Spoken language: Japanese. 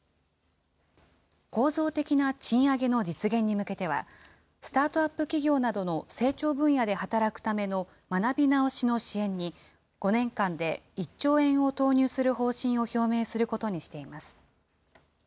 構造的な賃上げの実現に向けては、スタートアップ企業などの成長分野で働くための学び直しの支援に、５年間で１兆円を投入する方針を表明することにしています。